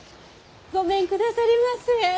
ごめんくださりませ。